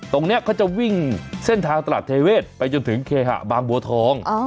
ตรงนี้เขาจะวิ่งเส้นทางตลาดเทเวศไปจนถึงเคหะบางบัวทอง